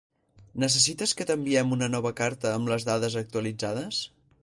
Necessites que t'enviem una nova carta amb les dades actualitzades?